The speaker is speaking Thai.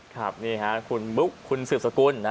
ครับนี่ฮะคุณบุ๊คคุณสืบสกุล